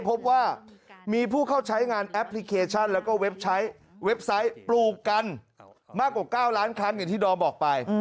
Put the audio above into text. พบว่ามีผู้เข้าใช้งานแอปพลิเคชันแล้วก็เว็บไซต์ปลูกกันมากกว่า๙ล้านครั้งอย่างที่ดอมบอกไป